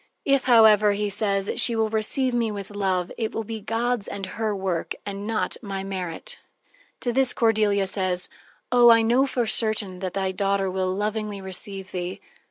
"If, however," he says, "she will receive me with love, it will be God's and her work, but not my merit." To this Cordelia says: "Oh, I know for certain that thy daughter will lovingly receive thee."